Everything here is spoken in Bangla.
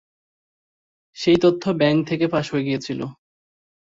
সেই তথ্য ব্যাংক থেকে ফাঁস হয়ে গিয়েছিল।